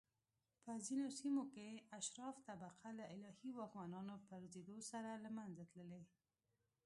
په ځینو سیمو کې اشراف طبقه له الهي واکمنانو پرځېدو سره له منځه تللي